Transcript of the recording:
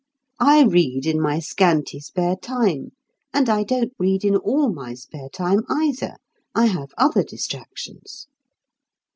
I read in my scanty spare time, and I don't read in all my spare time, either. I have other distractions.